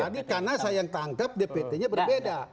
tadi karena saya yang tangkap dpt nya berbeda